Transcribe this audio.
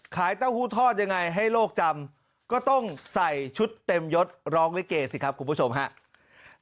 เต้าหู้ทอดยังไงให้โลกจำก็ต้องใส่ชุดเต็มยดร้องลิเกสิครับคุณผู้ชมครับ